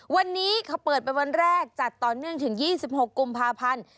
วันนี้เขาเปิดเป็นวันแรกจัดต่อเนื่องถึง๒๖กุมภาพันธ์